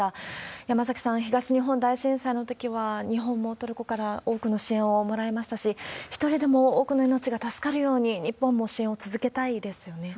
山崎さん、東日本大震災のときは、日本もトルコから多くの支援をもらいましたし、一人でも多くの命が助かるように、そうですね。